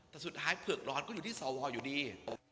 แต่สุดท้ายเผือกร้อนก็อยู่ที่สวอยู่ดี